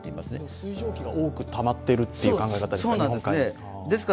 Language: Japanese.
水蒸気が日本海に多くたまっているという考え方ですか？